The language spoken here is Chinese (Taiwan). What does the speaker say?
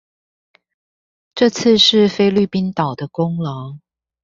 這次是菲律賓島的功勞